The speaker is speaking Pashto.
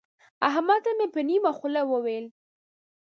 احمد ته مې په نيمه خوله وويل.